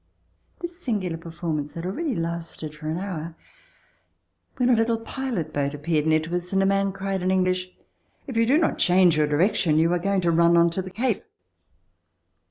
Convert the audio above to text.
This singular per formance had already lasted for an hour when a little pilot boat appeared near to us and a man cried in English: "If you do not change your direction, you are going to run onto the Cape."